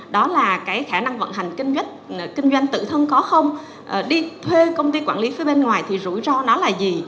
đó là cái khả năng vận hành kinh doanh tự thân có không đi thuê công ty quản lý phía bên ngoài thì rủi ro nó là gì